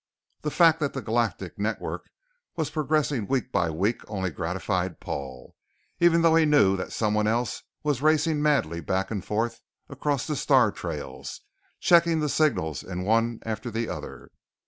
The fact that the Galactic Network was progressing week by week only gratified Paul, even though he knew that someone else was racing madly back and forth across the star trails checking the signals in one after the other.